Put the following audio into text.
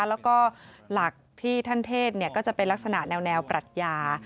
แล้วก็หลักที่ท่านเทศก็จะเป็นลักษณะแนวปรัชญา